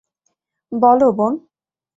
বলো, বোন।